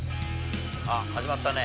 あっ、始まったね。